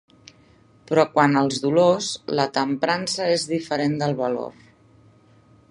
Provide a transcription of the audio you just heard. Però quant als dolors, la temprança és diferent del valor.